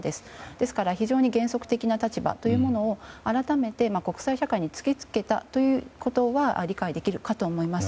ですから非常に原則的な立場を改めて国際社会に突き付けたということは理解できるかと思います。